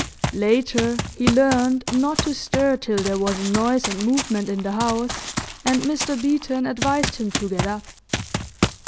Later he learned not to stir till there was a noise and movement in the house and Mr. Beeton advised him to get up.